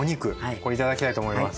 これ頂きたいと思います。